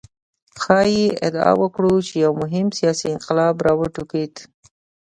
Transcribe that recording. ښايي ادعا وکړو چې یو مهم سیاسي انقلاب راوټوکېد.